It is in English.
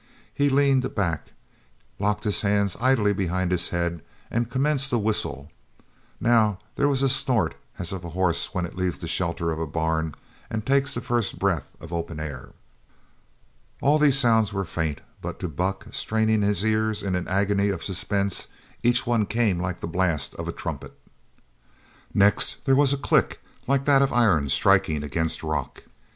He leaned back, locked his hands idly behind his head, and commenced to whistle. Now there was a snort, as of a horse when it leaves the shelter of a barn and takes the first breath of open air. All these sounds were faint, but to Buck, straining his ears in an agony of suspense, each one came like the blast of a trumpet. Next there was a click like that of iron striking against rock.